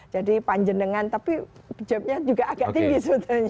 jadi panjendengan tapi jeb jebnya juga agak tinggi sebetulnya